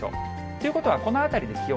ということは、このあたりで気温